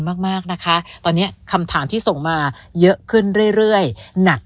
มากมากนะคะตอนนี้คำถามที่ส่งมาเยอะขึ้นเรื่อยหนัก